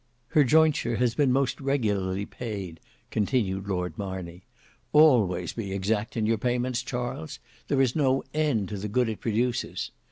"Her jointure has been most regularly paid," continued Lord Marney. "Always be exact in your payments, Charles. There is no end to the good it produces.